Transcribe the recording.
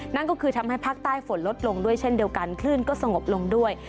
นั่นก็คือทำให้ภาคใต้ฝนลดลงด้วยเช่นเดียวกันคลื่นก็สงบลงด้วย